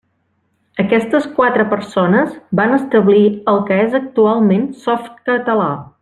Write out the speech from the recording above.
Aquestes quatre persones van establir el que és actualment Softcatalà.